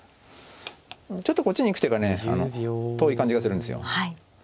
ちょっとこっちに行く手がね遠い感じがするんですよ。